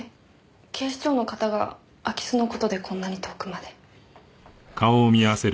警視庁の方が空き巣の事でこんなに遠くまで？